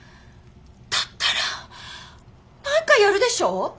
だったら何かやるでしょ？